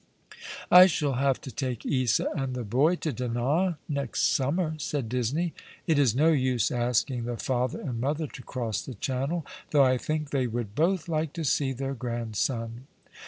"I shall have to take Isa and the boy to Dinan next summer," said Disney. " It is no use asking the father and mother to cross the channel ; though I think they would both like to see their grandson."